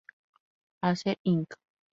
Acer, Inc.